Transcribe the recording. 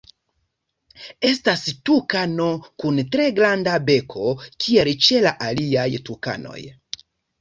Estas tukano kun tre granda beko kiel ĉe la aliaj tukanoj.